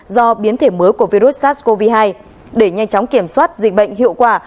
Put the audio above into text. do biến thể mới của virus sars cov hai để nhanh chóng kiểm soát dịch bệnh hiệu quả